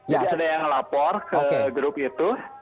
jadi ada yang lapor ke grup itu